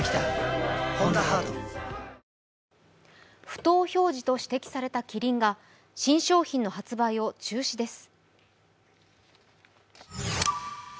不当表示と指摘されたキリンが新商品の発売を中止です。